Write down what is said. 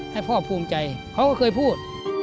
ให้พ่อภูมิใจเขาก็เคยพูด